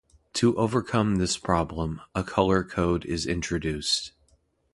To overcome this problem, a color code is introduced.